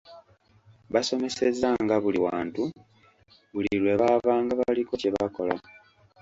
Basomesezanga buli wantu, buli lwe babanga baliko kye bakola.